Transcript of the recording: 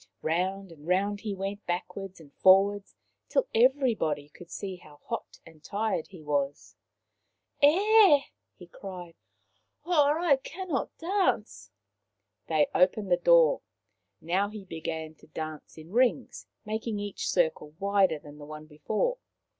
Round and round he went, backwards and forwards, till everybody could see how hot and tired he was. " Air !" he cried, " or I cannot dance." They opened the door. Now he began to dance in rings, making each circle wider than the one before.